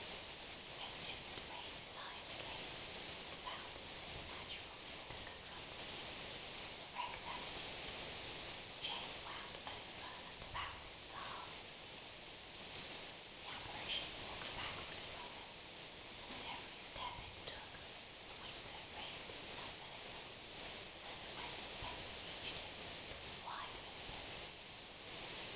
He ventured to raise his eyes again, and found his supernatural visitor confronting him in an erect attitude, with its chain wound over and about its arm. The apparition walked backward from him; and at every step it took, the window raised itself a little, so that when the spectre reached it, it was wide open.